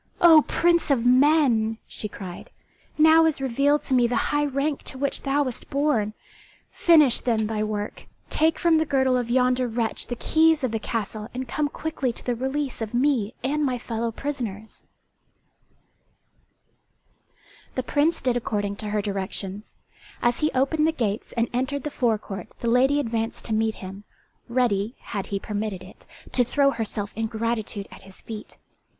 "O prince of men!" she cried, "now is revealed to me the high rank to which thou wast born. Finish, then, thy work; take from the girdle of yonder wretch the keys of the castle and come quickly to the release of me and my fellow prisoners." [Illustration: The lady advanced to meet him.] The Prince did according to her directions; as he opened the gates and entered the forecourt the lady advanced to meet him, ready, had he permitted it, to throw herself in gratitude at his feet.